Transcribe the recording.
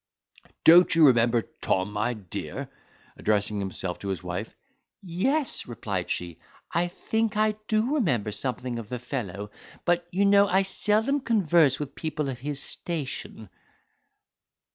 Don't you remember Tom, my dear?" addressing himself to his wife. "Yes," replied she, "I think I do remember something of the fellow, but you know I seldom converse with people of his station."